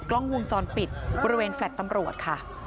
กล้องวงจรปิดบริเวณแฟลต์ตำรวจค่ะ